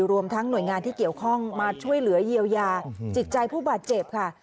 รวมทั้งหน่วยงานที่เกี่ยวข้องมาช่วยเหลือเยียวยาจิตใจผู้บาดเจ็บค่ะ